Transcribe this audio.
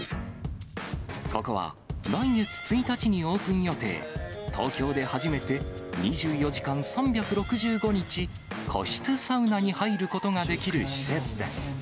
ここは、来月１日にオープン予定、東京で初めて、２４時間３６５日、個室サウナに入ることができる施設です。